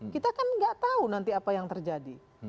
kita kan nggak tahu nanti apa yang terjadi